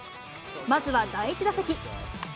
まずは第１打席。